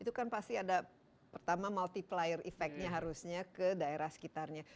itu kan pasti ada pertama multiplier effect nya harusnya ke daerah sekitarnya